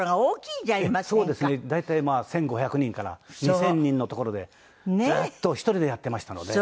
大体１５００人から２０００人の所でずーっと１人でやってましたので。